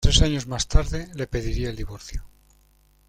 Tres años más tarde le pediría el divorcio.